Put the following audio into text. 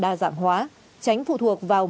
đa dạng hóa tránh phụ thuộc vào